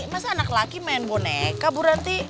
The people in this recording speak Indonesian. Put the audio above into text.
masa anak laki main boneka bu nanti